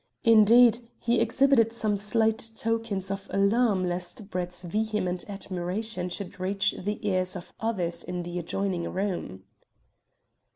Indeed, he exhibited some slight tokens of alarm lest Brett's vehement admiration should reach the ears of others in the adjoining room.